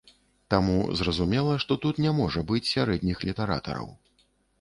Таму, зразумела, што тут не можа быць сярэдніх літаратараў.